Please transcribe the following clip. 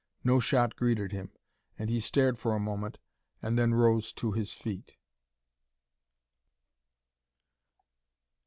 No shot greeted him, and he stared for a moment and then rose to his feet.